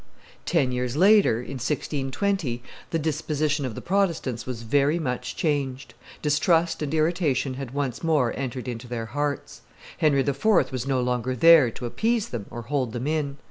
Ten years later, in 1620, the disposition of the Protestants was very much changed; distrust and irritation had once more entered into their hearts. Henry IV. was no longer there to appease them or hold them in.